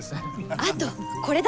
あとこれだ。